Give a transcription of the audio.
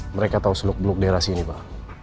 mereka tahu seluk beluk deras ini pak